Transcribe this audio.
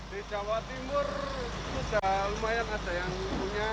di jawa timur sudah lumayan ada yang punya